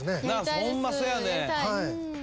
ホンマそやねん。